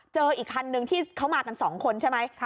อีกคันนึงที่เขามากัน๒คนใช่ไหม